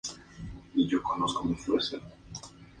Está ubicado en el extremo norte de la ciudad, en el Don Mueang.